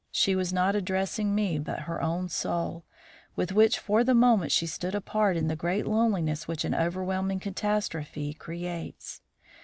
She was not addressing me, but her own soul, with which for the moment she stood apart in the great loneliness which an overwhelming catastrophe creates.